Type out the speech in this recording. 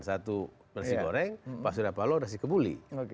satu nasi goreng pak surya palo nasi kebuli